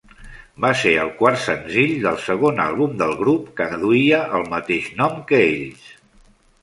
Va ser el quart senzill del segon àlbum del grup, que duia el mateix nom que ells.